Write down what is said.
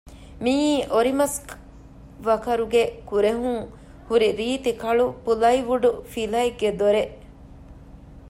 މިއީ އޮރިމަސްވަކަރުގެ ކުރެހުން ހުރި ރީތި ކަޅު ޕުލައިވުޑު ފިލައެއްގެ ދޮރެއް